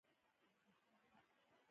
کښتۍ ډوبه شوه او دواړه مړه شول.